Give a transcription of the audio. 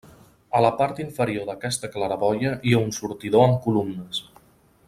A la part inferior d'aquesta claraboia hi ha un sortidor amb columnes.